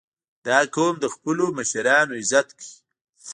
• دا قوم د خپلو مشرانو عزت کوي.